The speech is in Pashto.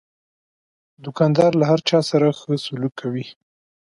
دوکاندار له هر چا سره ښه سلوک کوي.